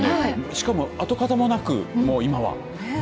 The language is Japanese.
しかも跡形もなく、今はね